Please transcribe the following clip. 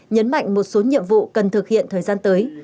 nhấn mạnh một số nhiệm vụ cần thực hiện thời gian tới